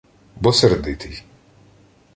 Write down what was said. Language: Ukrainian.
— Бо сердитий.